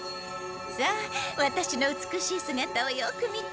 さあワタシの美しいすがたをよく見て！